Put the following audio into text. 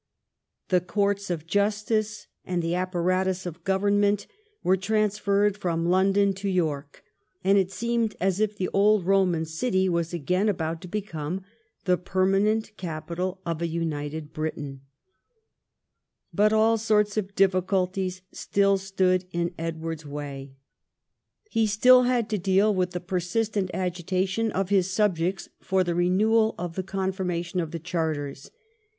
The courts of justice and the apparatus of government were transferred from London to York, and it seemed as if the old Roman city was again about to become the permanent capital of a united Britain. But all sorts of difficulties still stood in Edward's way. P 210 EDWARD I chap. He still had to deal Avith the persistent agitation of his subjects for the renewal of the Confirmation of the Charters.